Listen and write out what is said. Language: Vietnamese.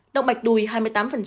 động mạch đùi hai mươi tám